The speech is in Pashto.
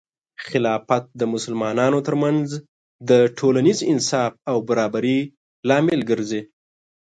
خلافت د مسلمانانو ترمنځ د ټولنیز انصاف او برابري لامل ګرځي.